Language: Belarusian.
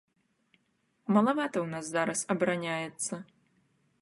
Малавата ў нас зараз абараняецца.